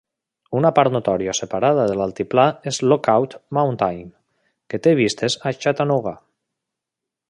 Una part notòria separada de l'altiplà és Lookout Mountain, que té vistes a Chattanooga.